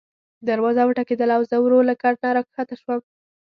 دروازه وټکېدله او زه ورو له کټ نه راکښته شوم.